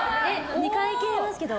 ２回いけますけど。